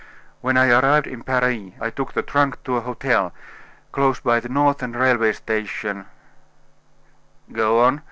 "When I arrived in Paris, I took the trunk to a hotel, close by the Northern Railway Station " "Go on.